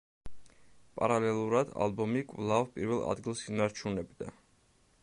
პარალელურად ალბომი კვლავ პირველ ადგილს ინარჩუნებდა.